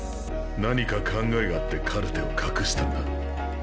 何か考えがあってカルテを隠したんだ。